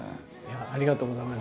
ありがとうございます。